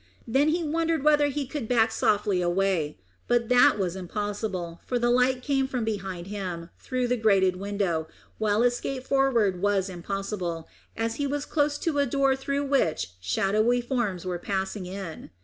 Then he wondered whether he could back softly away; but that was impossible, for the light came from behind him, through the grated window, while escape forward was impossible, as he was close to a door through which shadowy forms were passing in.